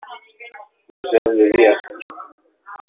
Mazal riɣ-k.